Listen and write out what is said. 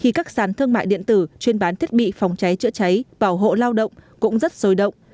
khi các sán thương mại điện tử chuyên bán thiết bị phòng cháy chữa cháy bảo hộ lao động cũng rất rối động